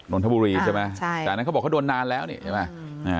นนทบุรีใช่ไหมแต่อันนั้นเขาบอกเขาโดนนานแล้วเนี่ยใช่ไหม